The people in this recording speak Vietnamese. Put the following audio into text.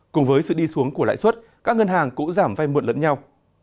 cùng với sự đi xuống của lãi suất các ngân hàng cũng giảm vai muộn lẫn nhau